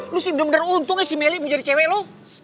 lo sih benar benar untung ya si meli mau jadi cewek lo